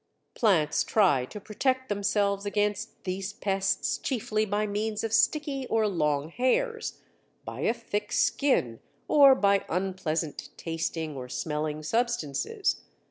Plants try to protect themselves against these pests chiefly by means of sticky or long hairs, by a thick skin, or by unpleasant tasting or smelling substances.